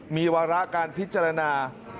มีวาระการพิจารณา